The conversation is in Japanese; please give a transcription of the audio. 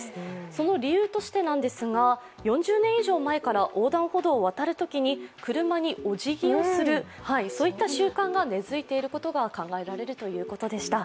その理由としてなんですが、４０年以上前から横断歩道を渡るときに車におじぎをする習慣が根付いていることが考えられるということでした。